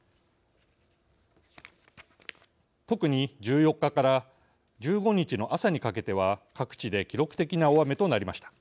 特に１４日から１５日の朝にかけては各地で記録的な大雨となりました。